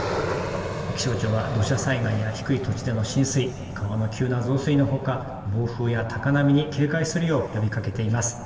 気象庁は土砂災害や低い土地での浸水、川の急な増水のほか暴風や高波に警戒するよう呼びかけています。